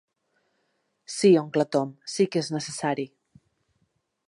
Sí, oncle Tom, sí que és necessari.